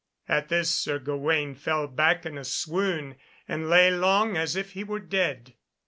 At this Sir Gawaine fell back in a swoon and lay long as if he were dead.